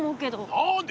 何で？